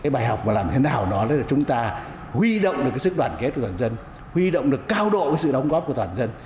bài học làm thế nào đó là chúng ta huy động được sức đoàn kết toàn dân huy động được cao độ sự đóng góp của toàn dân